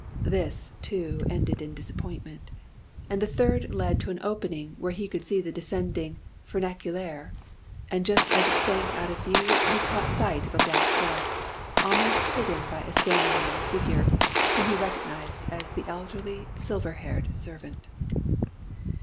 This, too, ended in disappointment. And the third led to an opening where he could see the descending funiculaire, and just as it sank out of view he caught sight of a black dress, almost hidden by a standing man's figure, whom he recognised as the elderly silver haired servant.